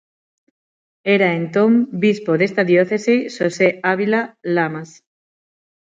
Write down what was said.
Era entón bispo desta diocese Xosé Avila Lamas.